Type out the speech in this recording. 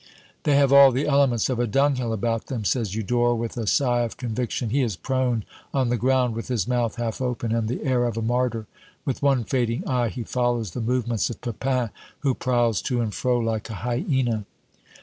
"They have all the elements of a dunghill about them," says Eudore, with a sigh of conviction. He is prone on the ground, with his mouth half open and the air of a martyr. With one fading eye he follows the movements of Pepin, who prowls to and fro like a hyaena.